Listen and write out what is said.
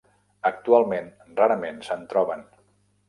Actualment rarament se'n troben.